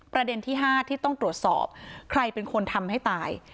ประเด็นที่๕ที่ต้องตรวจสอบใครเป็นคนทำให้ตาย